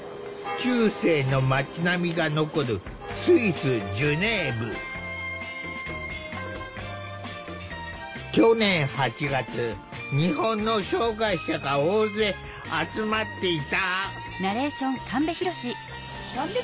中世の町並みが残る去年８月日本の障害者が大勢集まっていた。